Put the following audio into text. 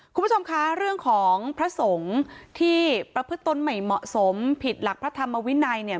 คุณผู้ชมคะเรื่องของพระสงฆ์ที่ประพฤตนไม่เหมาะสมผิดหลักพระธรรมวินัยเนี่ย